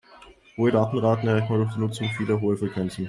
Hohe Datenraten erreicht man durch die Nutzung vieler hoher Frequenzen.